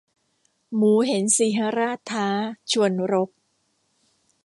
หมูเห็นสีหราชท้า ชวนรบ